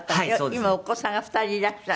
今お子さんが２人いらっしゃる？